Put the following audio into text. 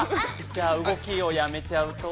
◆じゃあ動きをやめちゃうと。